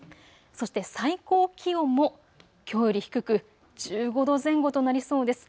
そして最高気温もきょうより低く１５度前後となりそうです。